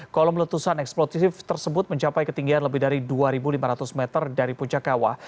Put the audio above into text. kolom letusan eksplosif tersebut mencapai ketinggian lebih dari dua lima ratus meter dari puncak kawah